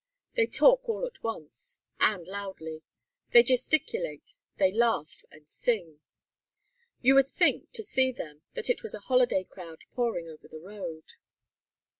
They talk all at once, and loudly; they gesticulate, they laugh and sing. You would think, to see them, that it was a holiday crowd pouring over the road!